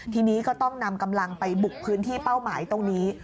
ทีนี้ก็ต้องนำกำลังไปบุกพื้นที่เป้าหมายตรงนี้